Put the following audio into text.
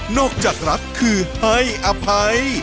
จากรักคือให้อภัย